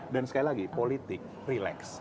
dan sekali lagi politik relax